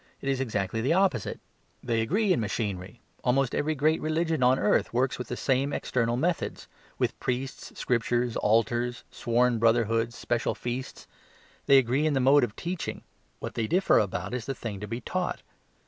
It is exactly the opposite. They agree in machinery; almost every great religion on earth works with the same external methods, with priests, scriptures, altars, sworn brotherhoods, special feasts. They agree in the mode of teaching; what they differ about is the thing to be taught.